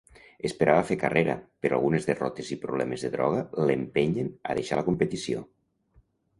Esperava fer carrera, però algunes derrotes i problemes de droga l'empenyen a deixar la competició.